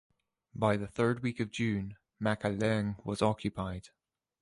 By the third week of June, Macaleeng was occupied.